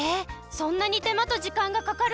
そんなにてまとじかんがかかるんだね。